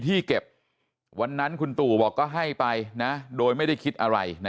ที่เก็บวันนั้นคุณตู่บอกก็ให้ไปนะโดยไม่ได้คิดอะไรนะ